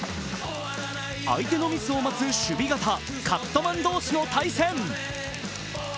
相手のミスを待つ守備型カットマン同士の対戦。